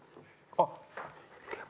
あっ！